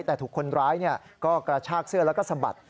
แต่ถูกคนร้ายก็กระชากเสื้อแล้วก็สะบัด